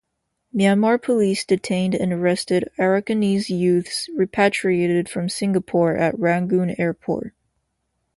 Myanmar police detained and arrested Arakanese youths repatriated from Singapore at Rangoon airport.